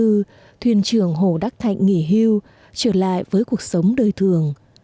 năm một nghìn chín trăm tám mươi bốn thuyền trường hồ đắc thạnh nghỉ hưu trở lại với cuộc sống đời thường